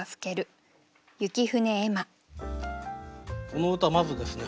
この歌まずですね